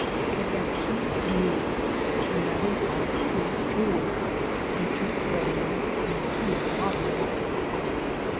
It had two needles, and that implied two spools and two threadings and two bobbins.